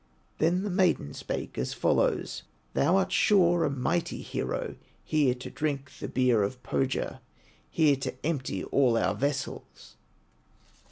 Then the maiden spake as follows: "Thou art sure a mighty hero, Here to drink the beer of Pohya, Here to empty all our vessels!"